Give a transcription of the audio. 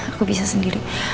aku bisa sendiri